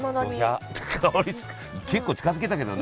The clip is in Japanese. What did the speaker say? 結構近づけたけどね。